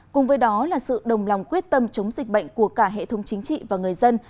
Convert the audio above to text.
cùng với đó là sự đồng lòng quyết tâm chống dịch bệnh của cả hệ thống chính trị và người dân